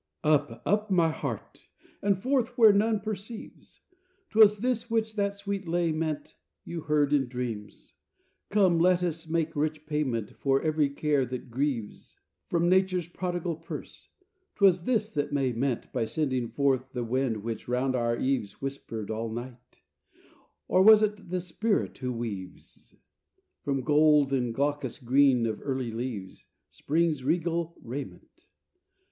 III Up, up, my heart! and forth where none perceives! 'Twas this which that sweet lay meant You heard in dreams. Come, let us take rich payment, For every care that grieves, From Nature's prodigal purse. 'Twas this that May meant By sending forth the wind which round our eaves Whispered all night; or was't the spirit who weaves, From gold and glaucous green of early leaves, Spring's regal raiment?